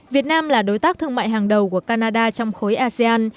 việt nam là đối tác thương mại hàng đầu của canada trong khối asean